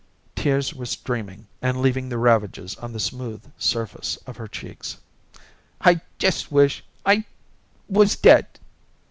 Tears were streaming and leaving their ravages on the smooth surface of her cheeks. "I just wish I I was dead."